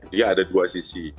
dia ada dua sisi